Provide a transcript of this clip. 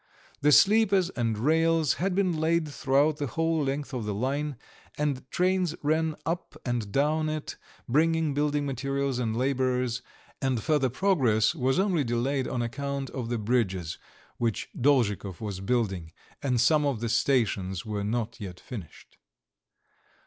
The sleepers and rails had been laid throughout the whole length of the line, and trains ran up and down it, bringing building materials and labourers, and further progress was only delayed on account of the bridges which Dolzhikov was building, and some of the stations were not yet finished.